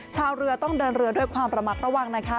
ชาวเรือต้องเดินเรือด้วยความระมัดระวังนะคะ